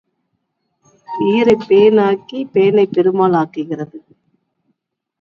ஈரைப் பேன் ஆக்கிப் பேனைப் பெருமாள் ஆக்குகிறது.